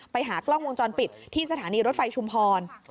ไปหากล้องวงจรปิดที่สถานีรถไฟชุมพร